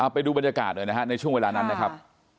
ไปดูบรรยากาศหน่อยนะฮะในช่วงเวลานั้นนะครับ